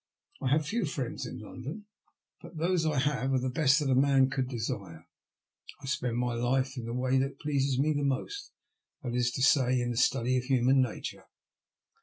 I have few friends in London, but those I have are the best that a man could desire. I spend my life in the way that pleases me most; that is to say, in the study of human nature.